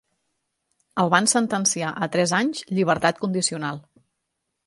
El van sentenciar a tres anys llibertat condicional.